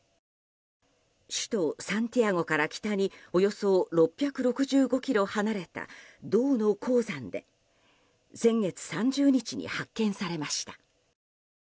首都サンティアゴから北におよそ６６５ｋｍ離れた銅の鉱山で先月３０日に発見されました。